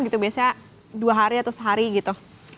gitu biasanya dua hari atau sehari gitu